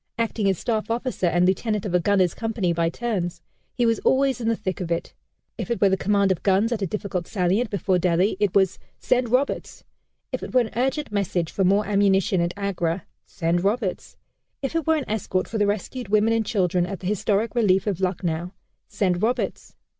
Acting as staff officer and lieutenant of a gunners' company by turns, he was always in the thick of it. If it were the command of guns at a difficult salient before Delhi, it was "Send Roberts." If it were an urgent message for more ammunition, at Agra, "Send Roberts." If it were an escort for the rescued women and children at the historic relief of Lucknow, "Send Roberts."